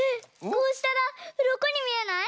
こうしたらうろこにみえない？